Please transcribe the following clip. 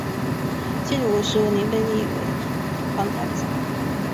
建武十五年被立为皇太子。